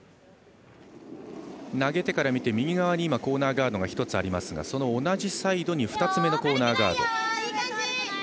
投げ手から見て、右側にコーナーガードが１つありますがその同じサイドに２つ目のコーナーガード。